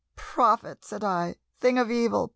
"Prophet!" said I, "thing of evil!